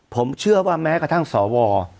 ผมเชื่อว่าแม้กระทั่งสว